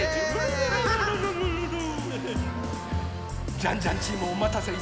ジャンジャンチームおまたせいたしました。